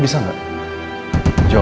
apa ferblab kacau